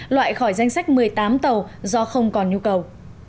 loại khỏi danh sách một mươi tám tàu do không còn nhu cầu